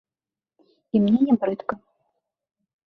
І мне не брыдка.